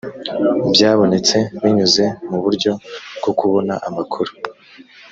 byabonetse binyuze mu buryo bwo kubona amakuru